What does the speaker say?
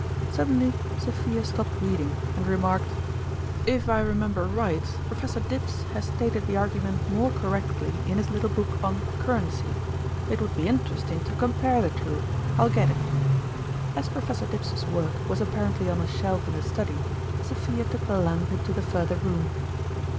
Suddenly Sophia stopped reading and re marked : 118 STottrmalitt's fEitne " If I remember right, Professor Dibbs lias stated the argument more correctly in his little book on Currency. It would be inter esting to compare the two ; I'll get it." As Professor Dibbs' s work was apparently on a shelf in the study, Sophia took the lamp into the further room.